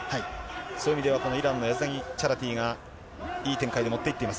そういう意味では、このイランのヤズダニチャラティも、いい展開で持っていっています。